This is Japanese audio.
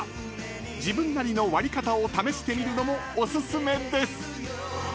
［自分なりの割り方を試してみるのもお薦めです］